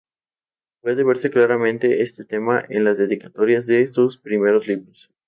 Puede verse claramente este tema en las dedicatorias de sus primeros libros.